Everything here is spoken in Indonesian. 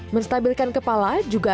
menstabilkan kepala juga bisa